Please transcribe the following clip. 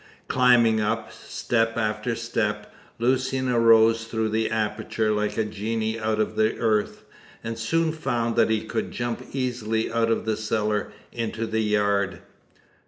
Climbing up, step after step, Lucian arose through the aperture like a genie out of the earth, and soon found that he could jump easily out of the cellar into the yard.